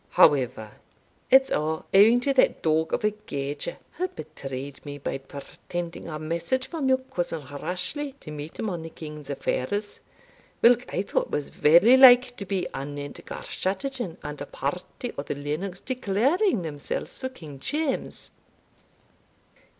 However, it's a' owing to that dog of a gauger, wha betrayed me by pretending a message from your cousin Rashleigh, to meet him on the king's affairs, whilk I thought was very like to be anent Garschattachin and a party of the Lennox declaring themselves for King James.